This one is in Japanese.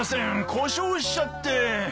故障しちゃって。